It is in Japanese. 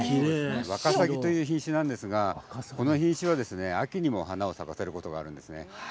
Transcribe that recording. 若鷺という品種なんですがこの品種は秋にも花を咲かせることがあるんですね。